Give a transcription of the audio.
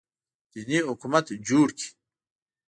دیني حکومت جوړ کړي